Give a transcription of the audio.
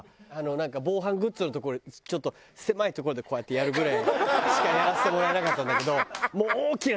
なんか防犯グッズの所ちょっと狭い所でこうやってやるぐらいしかやらせてもらえなかったんだけど。